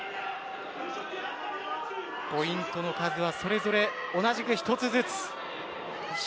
ポイントの数はそれぞれ同じく１つずつ。